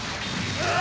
ああ！